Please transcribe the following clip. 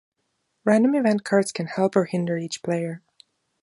Random event cards can help or hinder each player.